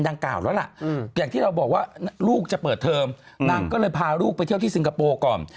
อย่างที่เราบอกว่าลูกจะเปิดเทิมนางก็เลยพาลูกไปเที่ยวที่สิงคโปร์ก่อน